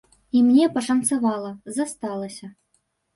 І мне пашанцавала, засталася.